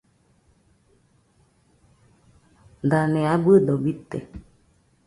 Dane abɨdo bite